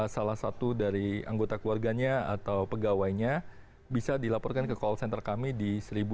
salah satu dari anggota keluarganya atau pegawainya bisa dilaporkan ke call center kami di seribu lima ratus sembilan puluh satu